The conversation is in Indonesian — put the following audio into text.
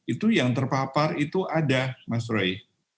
itu yang terpapar itu ada mas roy